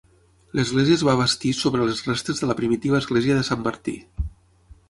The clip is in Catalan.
L'església es va bastir sobre les restes de la primitiva església de Sant Martí.